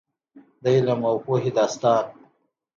د علم او پوهې داستان.